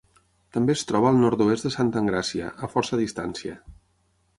També es troba al nord-oest de Santa Engràcia, a força distància.